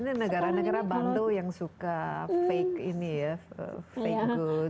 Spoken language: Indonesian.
ini negara negara bando yang suka fake ini ya fake good